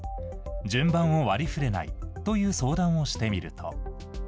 順番を割りふれないという相談をしてみると。